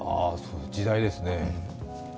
時代ですね。